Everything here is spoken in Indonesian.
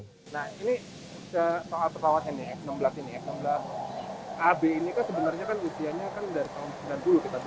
nah ini setelah pesawatnya ini f enam belas ini f enam belas ab ini kan sebenarnya kan usianya kan dari tahun seribu sembilan ratus sembilan puluh